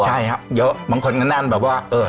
ใช่ครับเยอะบางคนกันนั้นแบบว่า